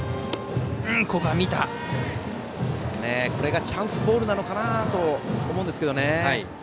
これがチャンスボールなのかなと思うんですけどね。